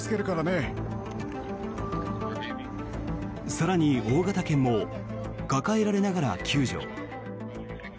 更に大型犬も抱えられながら救助。